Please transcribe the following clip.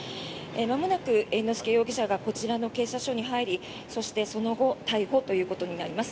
まもなく猿之助容疑者がこちらの警察署に入りそしてその後逮捕となります。